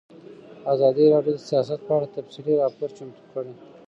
ازادي راډیو د سیاست په اړه تفصیلي راپور چمتو کړی.